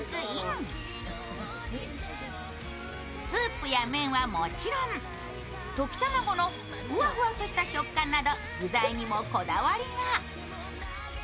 スープや麺はもちろん、溶き卵のふわふわとした食感など具材にもこだわりが。